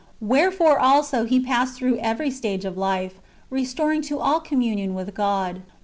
Wherefore also He passed through every stage of life, restoring to all communion with God.